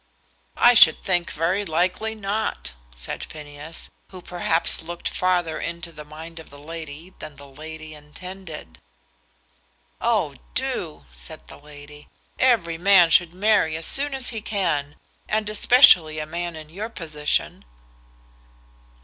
"I should think very likely not," said Phineas, who perhaps looked farther into the mind of the lady than the lady intended. "Oh, do," said the lady. "Every man should marry as soon as he can, and especially a man in your position."